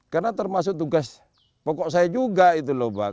karena termasuk tugas pokok saya juga itu loh